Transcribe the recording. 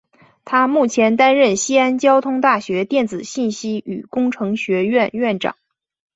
他目前担任西安交通大学电子信息与工程学院院长。